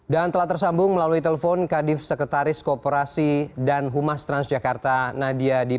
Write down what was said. telah tersambung melalui telepon kadif sekretaris kooperasi dan humas transjakarta nadia di